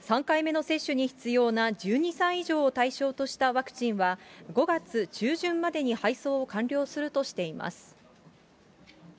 ３回目の接種に必要な１２歳以上を対象としたワクチンは、５月中旬までに配送を完了するとしています。